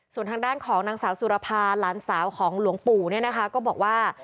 ส่วนทางด้านของนางสาวสุรภาหลานสาวของหลวงปู่เนี่ยนะคะก็บอกว่า